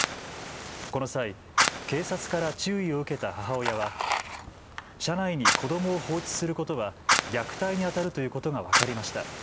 この際、警察から注意を受けた母親は車内に子どもを放置することは虐待にあたるということが分かりました。